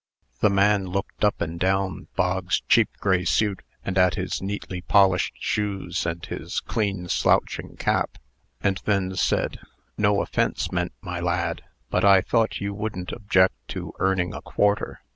The man looked up and down Bog's cheap gray suit, and at his neatly polished shoes and his clean slouching cap, and then said: "No offence meant, my lad. But I thought you wouldn't object to earning a quarter.